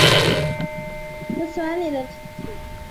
我喜欢你的志气